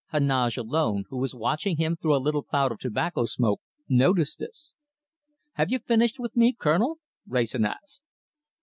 Heneage alone, who was watching him through a little cloud of tobacco smoke, noticed this. "Have you finished with me, Colonel?" Wrayson asked.